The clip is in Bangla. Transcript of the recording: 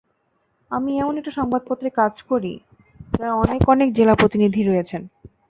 আমি এমন একটা সংবাদপত্রে কাজ করি, যার অনেক অনেক জেলা প্রতিনিধি রয়েছেন।